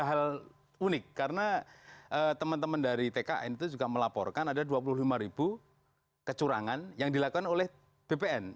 hal unik karena teman teman dari tkn itu juga melaporkan ada dua puluh lima ribu kecurangan yang dilakukan oleh bpn